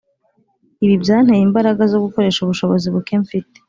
Ibi byanteye imbaraga zo gukoresha ubushobozi buke mfite